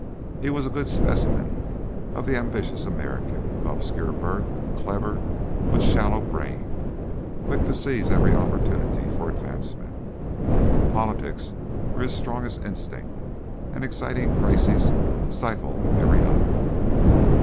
He was a good specimen of the ambitious American of obscure birth and clever but shallow brain, quick to seize every opportunity for advancement. But politics were his strongest instinct, and exciting crises stifled every other.